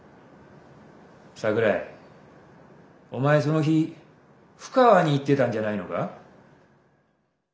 桜井お前その日布川に行ってたんじゃないのか？